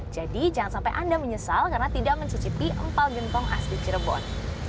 jadi jangan sampai anda menyesal karena tidak mencicipi empal gentong asli cirebon